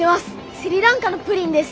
スリランカのプリンです。